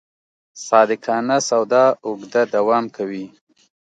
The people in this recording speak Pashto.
صادقانه سودا اوږده دوام کوي.